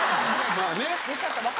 まあね。